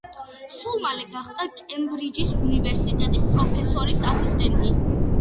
სულ მალე გახდა კემბრიჯის უნივერსიტეტის პროფესორის ასისტენტი.